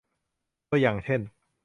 ตัวอย่างเช่น